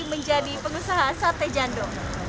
menjadi pengusaha sate jando